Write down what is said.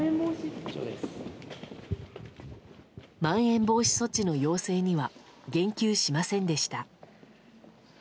まん延防止措置の要請には言及しませんでした。